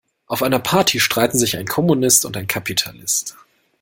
Auf einer Party streiten sich ein Kommunist und ein Kapitalist.